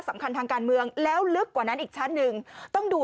สำคัญทางการเมืองแล้วลึกกว่านั้นอีกชั้นหนึ่งต้องดู